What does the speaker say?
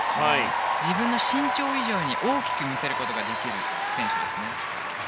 自分の身長以上に大きく見せられる選手ですね。